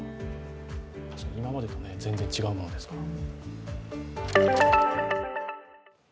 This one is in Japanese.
今までとね、全然違うものですから。